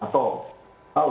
atau halal bumi